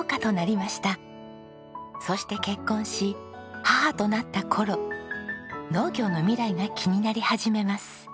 そして結婚し母となった頃農業の未来が気になり始めます。